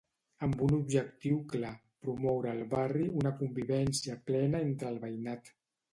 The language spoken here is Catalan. Amb un objectiu clar: promoure al barri una convivència plena entre el veïnat.